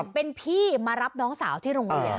เป็นพี่มารับน้องสาวที่โรงเรียน